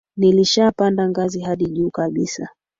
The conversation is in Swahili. Nilishapanda ngazi hadi juu kabisa